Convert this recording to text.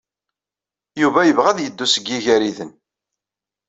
Yuba yebɣa ad yeddu seg Igariden.